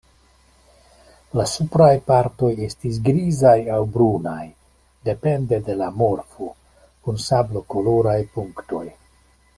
La supraj partoj estas grizaj aŭ brunaj, depende de la morfo, kun sablokoloraj punktoj.